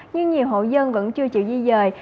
nhưng nhiều hộ dân vẫn chưa chịu di dời